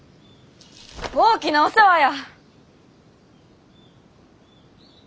大きなお世話や！